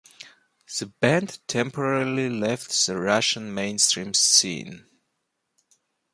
The band temporarily left the Russian mainstream scene.